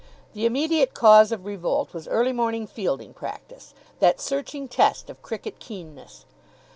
The immediate cause of revolt was early morning fielding practice, that searching test of cricket keenness.